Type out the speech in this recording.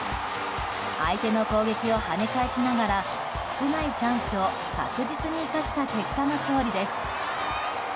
相手の攻撃を跳ね返しながら少ないチャンスを各自に生かした結果の勝利です。